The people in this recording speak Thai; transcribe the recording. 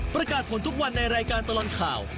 ประกาศผลทุกวันในรายการตลอดข่าว